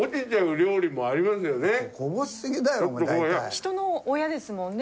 人の親ですもんね